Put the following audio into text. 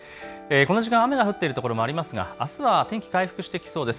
この時間、雨が降っているところもありますがあすは天気、回復してきそうです。